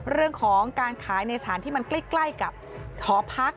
เรื่องของการขายในสถานที่มันใกล้กับหอพัก